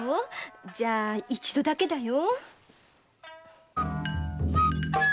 じゃ一度だけだよ。